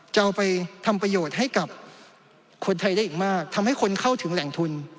จะเอาไปทำประโยชน์ให้กับคนไทยได้อีกมากทำให้คนเข้าถึงแหล่งทุน